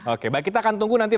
oke baik kita akan tunggu nanti